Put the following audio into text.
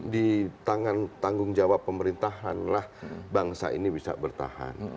di tangan tanggung jawab pemerintahan lah bangsa ini bisa bertahan